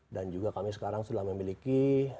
dan juga kami sekarang sudah memiliki